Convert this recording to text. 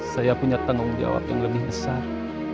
saya punya tanggung jawab yang lebih besar